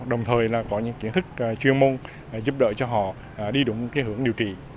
đồng thời là có những kiến thức chuyên môn giúp đỡ cho họ đi đúng hướng điều trị